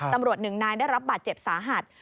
ตำรวจหนึ่งนายได้รับบัตรเจ็บสาหัส